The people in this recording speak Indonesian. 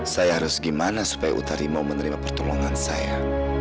saya harus gimana supaya utari mau menerima pertolongan saya